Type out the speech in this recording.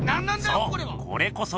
そうこれこそが！